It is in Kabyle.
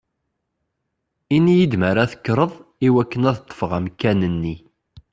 Ini-yi-d mi ara tekkreḍ i wakken ad ṭṭfeɣ amkan-nni!